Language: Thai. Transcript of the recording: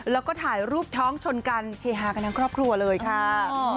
แล้วก็ถ่ายรูปท้องชนกันเฮฮากันทั้งครอบครัวเลยค่ะ